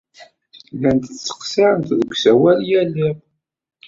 Llant ttqeṣṣirent deg usawal yal iḍ.